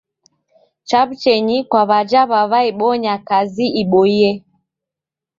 Chaw'uchenyi kwa w'aja w'aw'iabonya kazi iboie.